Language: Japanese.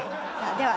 では